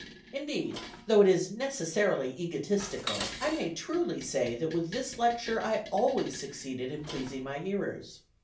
Indeed, though it is necessarily egotistical, I may truly say that with this lecture I always succeeded in pleasing my hearers.